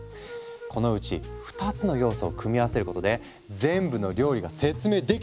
このうち２つの要素を組み合わせることで全部の料理が説明できちゃうってわけ。